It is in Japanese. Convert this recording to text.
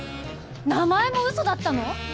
名前も嘘だったの！？